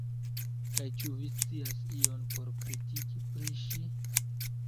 Kaj ĉu vi scias ion por kritiki pri ŝi?